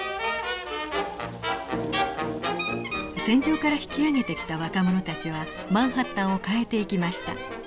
戦場から引き揚げてきた若者たちはマンハッタンを変えていきました。